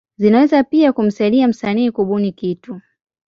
Zinaweza pia kumsaidia msanii kubuni kitu.